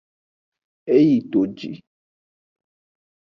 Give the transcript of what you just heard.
E yi toji.